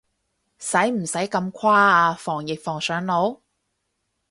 使唔使咁誇啊，防疫防上腦？